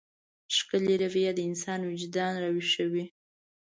ښکلې رويه د انسان وجدان راويښوي.